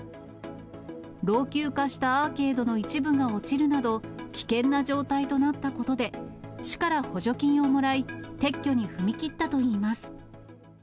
老朽化したアーケードの一部が落ちるなど、危険な状態となったことで、市から補助金をもらい、撤去に踏み切ったといいます。